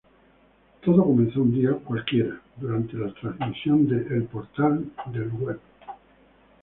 Todo comenzó un día cualquiera, durante la transmisión de "El Portal del Web".